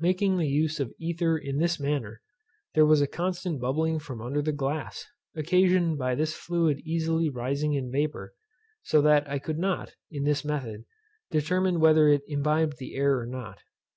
Making use of ether in this manner, there was a constant bubbling from under the glass, occasioned by this fluid easily rising in vapour, so that I could not, in this method, determine whether it imbibed the air or not.